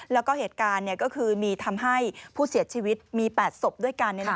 แล้วก็เหตุการณ์ก็คือมีทำให้ผู้เสียชีวิตมี๘ศพด้วยกัน